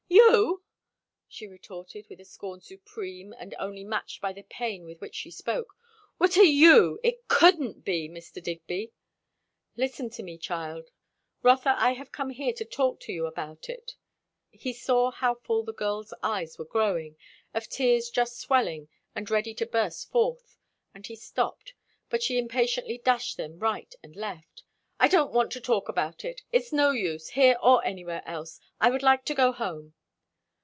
"You!" she retorted, with a scorn supreme and only matched by the pain with which she spoke. "What are you? It couldn't be, Mr. Digby." "Listen to me, child. Rotha, I have come here to talk to you about it." He saw how full the girl's eyes were growing, of tears just swelling and ready to burst forth; and he stopped. But she impatiently dashed them right and left. "I don't want to talk about it. It's no use, here or anywhere else. I would like to go home."